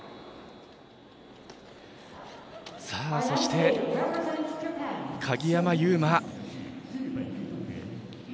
そして鍵山優真。